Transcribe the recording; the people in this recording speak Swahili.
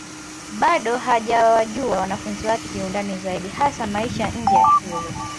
Bado hajawajua wanafunzi wake kiundani zaidi hasa maisha nje ya shule